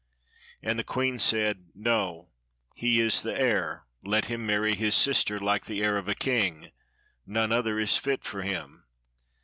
And the queen said, "No, he is the heir, let him marry his sister, like the heir of a king, none other is fit for him."